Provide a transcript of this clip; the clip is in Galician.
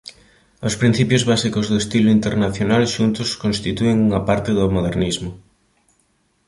Os principios básicos do estilo internacional xuntos constitúen unha parte do modernismo.